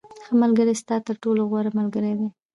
• ښه ملګری ستا تر ټولو غوره ملګری دی.